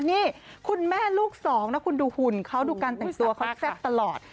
นี่คุณแม่ลูกสองนะคุณดูหุ่นเขาดูการแต่งตัวเขาแซ่บตลอด